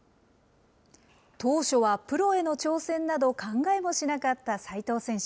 当初はプロへの挑戦など考えもしなかった齋藤選手。